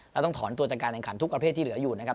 ต้องถอนตัวจากการแข่งขันทุกประเภทที่เหลืออยู่นะครับ